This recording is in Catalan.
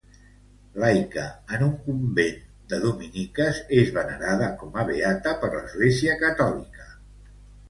Laica en un convent de dominiques, és venerada com a beata per l'Església catòlica.